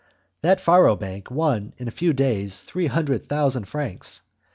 That faro bank won in a few days three hundred thousand francs.